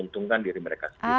menguntungkan diri mereka sendiri